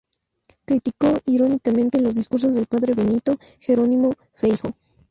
Criticó irónicamente los discursos del padre Benito Jerónimo Feijoo.